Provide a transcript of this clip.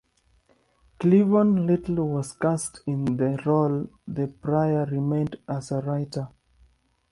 Cleavon Little was cast in the role, and Pryor remained as a writer.